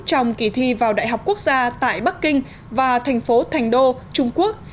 trong kỳ thi vào đại học quốc gia tại bắc kinh và thành phố thành đô trung quốc